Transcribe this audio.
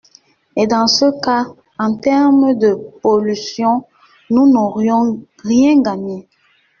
Et dans ce cas, en termes de pollution, nous n’aurions rien gagné.